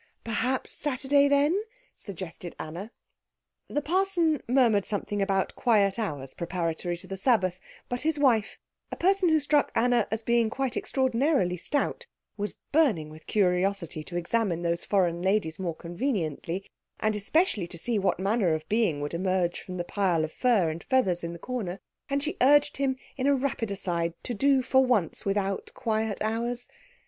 "Perhaps Saturday, then?" suggested Anna. The parson murmured something about quiet hours preparatory to the Sabbath; but his wife, a person who struck Anna as being quite extraordinarily stout, was burning with curiosity to examine those foreign ladies more conveniently, and especially to see what manner of being would emerge from the pile of fur and feathers in the corner; and she urged him, in a rapid aside, to do for once without quiet hours.